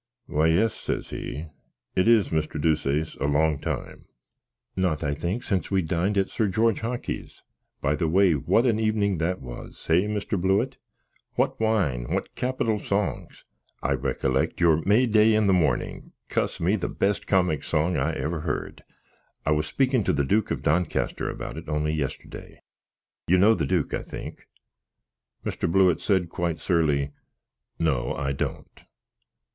"Why, yes," says he, "it is, Mr. Deuceace, a long time." "Not, I think, since we dined at Sir George Hockey's. By the by, what an evening that was hay, Mr. Blewitt? What wine! what capital songs! I recollect your 'May day in the morning' cuss me, the best comick song I ever heard. I was speaking to the Duke of Doncaster about it only yesterday. You know the duke, I think?" Mr. Blewitt said, quite surly, "No, I don't."